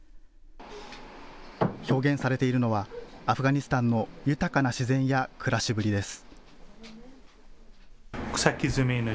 表現されているのはアフガニスタンの豊かな自然や暮らしぶりです。